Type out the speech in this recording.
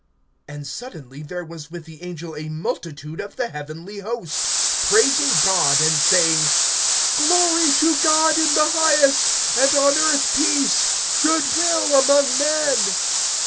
(13)And suddenly there was with the angel a multitude of the heavenly host, praising God and saying: (14)Glory to God in the highest, and on earth peace, good will among men.